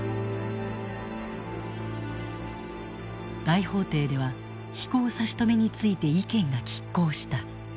大法廷では飛行差し止めについて意見が拮抗した。